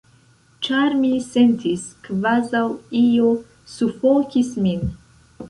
Ĉar mi sentis kvazaŭ io sufokis min.